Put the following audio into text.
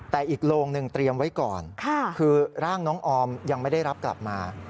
แต่อีกโรงหนึ่งเตรียมไว้ก่อนคือร่างน้องออมยังไม่ได้รับกลับมา